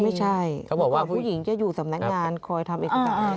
ไม่ใช่เขาบอกว่าผู้หญิงจะอยู่สำนักงานคอยทำเอกตัวอ๋ออ๋อค่ะ